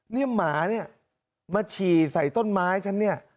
นี่หมาเนี่ยมาฉี่ใส่ต้นไม้ฉันเนี่ย